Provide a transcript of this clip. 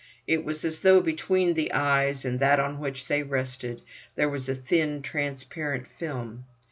It was as though between the eyes, and that on which they rested, there was a thin, transparent film.